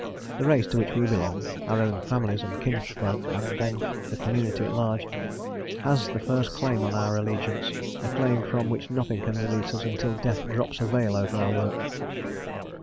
The race to which we belong (our own families and kinsfolk, and then the community at large) has the first claim on our allegiance, a claim from which nothing can release us until death drops a veil over our work.